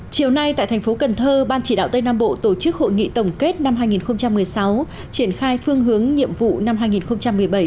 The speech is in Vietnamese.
chiều nay tại thành phố cần thơ ban chỉ đạo tây nam bộ tổ chức hội nghị tổng kết năm hai nghìn một mươi sáu triển khai phương hướng nhiệm vụ năm hai nghìn một mươi bảy